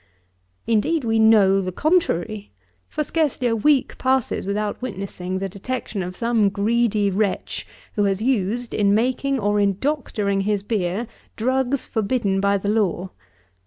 Indeed, we know the contrary; for scarcely a week passes without witnessing the detection of some greedy wretch, who has used, in making or in doctoring his beer, drugs, forbidden by the law.